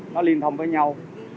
nó liên thông với nhau